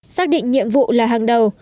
xác định nhiệm vụ là hàng đầu